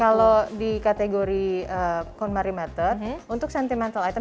kalau di kategori konmari method untuk sentimental item